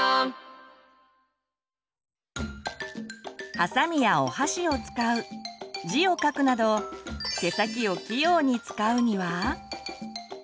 はさみやお箸を使う字を書くなど手先を器用に使うには？